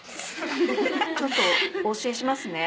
ちょっとお教えしますね。